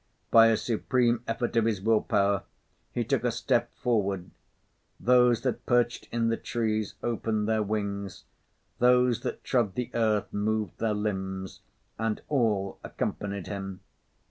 By a supreme effort of his will power, he took a step forward; those that perched in the trees opened their wings, those that trod the earth moved their limbs, and all accompanied him.